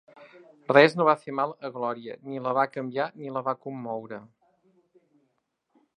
Res no va fer mal a Glòria, ni la va canviar, ni la va commoure.